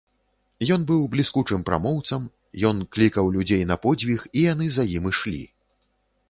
Ён быў бліскучым прамоўцам, ён клікаў людзей на подзвіг, і яны за ім ішлі.